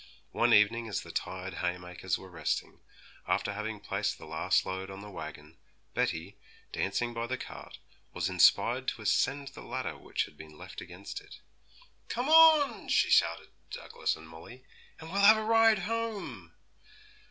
One evening, as the tired haymakers were resting, after having placed the last load on the wagon, Betty, dancing by the cart, was inspired to ascend the ladder which had been left against it. 'Come on,' she shouted to Douglas and Molly, 'and we'll have a ride home.'